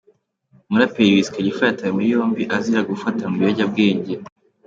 Umuraperi Wiz Khalifa yatawe muri yombi azira gufatanwa ibiyobyabwenge.